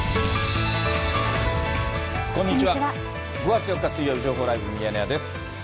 ５月４日水曜日、情報ライブミヤネ屋です。